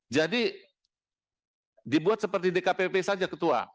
jadi dibuat seperti di kpp saja ketua